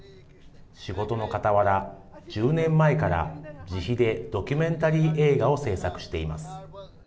仕事のかたわら、１０年前から自費でドキュメンタリー映画を制作しています。